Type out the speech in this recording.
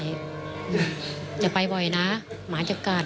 อย่าไปบ่อยนะหมาจะกัด